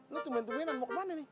lu temen temenan mau kemana nih